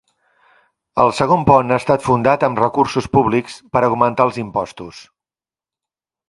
El segon pont ha estat fundat amb recursos públics per augmentar els impostos.